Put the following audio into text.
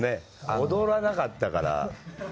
踊らなかったから。